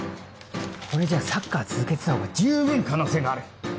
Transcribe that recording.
これじゃサッカー続けてたほうが十分可能性がある。